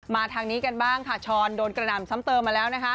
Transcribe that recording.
ทางนี้กันบ้างค่ะช้อนโดนกระหน่ำซ้ำเติมมาแล้วนะคะ